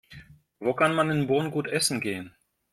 Wo kann man in Bonn gut essen gehen?